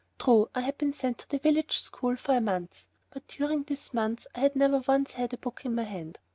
True, I had been sent to the village school for one month, but during this month I had never once had a book in my hand.